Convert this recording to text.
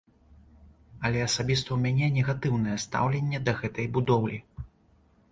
Але асабіста ў мяне негатыўнае стаўленне да гэтай будоўлі.